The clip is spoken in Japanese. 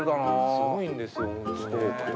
すごいんですよ。